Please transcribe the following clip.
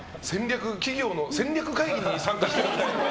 企業の戦略会議に参加してるみたい。